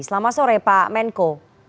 selamat sore pak menko